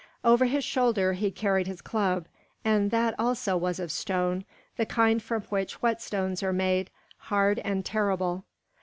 Over his shoulder he carried his club, and that also was of stone, the kind from which whetstones are made, hard and terrible.